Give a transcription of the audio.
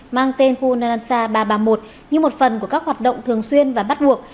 mang tên hunanansa ba trăm ba mươi một như một phần của các hoạt động thường xuyên và bắt buộc